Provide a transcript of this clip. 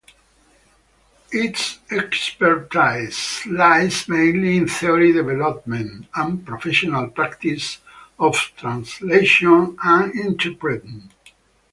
Its expertise lies mainly in theory development and professional practice of translation and interpreting.